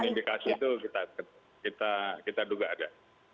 indikasi itu kita duga ada